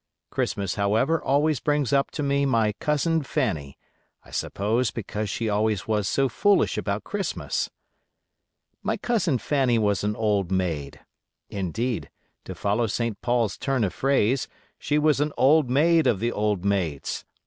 Christmas, however, always brings up to me my cousin Fanny; I suppose because she always was so foolish about Christmas. My cousin Fanny was an old maid; indeed, to follow St. Paul's turn of phrase, she was an old maid of the old maids.